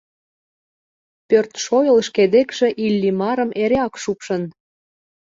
Пӧрт шойыл шке декше Иллимарым эреак шупшын.